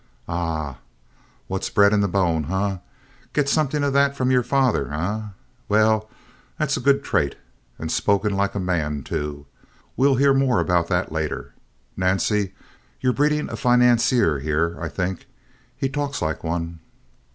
"Aha! What's bred in the bone, eh? Get something of that from your father, eh? Well, that's a good trait. And spoken like a man, too! We'll hear more about that later. Nancy, you're breeding a financier here, I think. He talks like one."